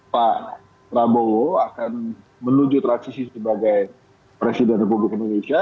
pak prabowo akan menuju transisi sebagai presiden republik indonesia